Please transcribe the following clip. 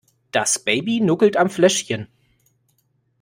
Das Baby nuckelt am Fläschchen.